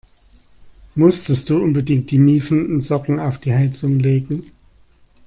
Musstest du unbedingt die miefenden Socken auf die Heizung legen?